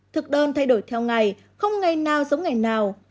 thực đơn thay đổi theo ngày không ngày nào giống ngày nào